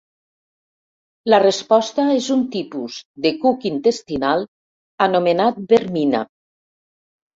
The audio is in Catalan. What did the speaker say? La resposta és un tipus de cuc intestinal anomenat vermina.